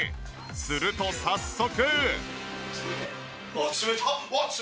すると早速。